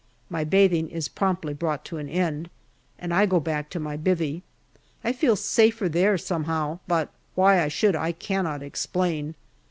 My bathing is promptly brought to an end, and I go back to my " bivvy." I feel safer there, somehow, but why I should I cannot explain.